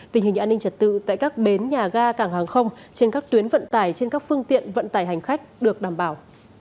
tình hình an ninh trật tự tại các bến nhà ga cảng hàng không trên các tuyến vận tải trên các phương tiện vận tải hành khách được đảm bảo